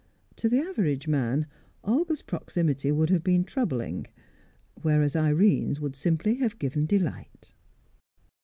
To the average man, Olga's proximity would have been troubling, whereas Irene's would simply have given delight.